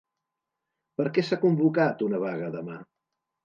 Per què s'ha convocat una vaga demà?